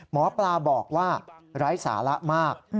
หมอปลาบอกว่าไร้สาระมาก